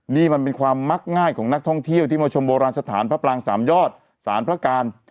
นี่มันเป็นความมักง่ายของนักท่องเที่ยวที่มาชมโบราณสถานพระปรางสามยอดสารพระการ